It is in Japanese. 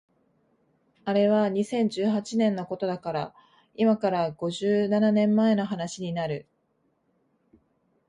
あれは二千十八年のことだから今から五十七年前の話になる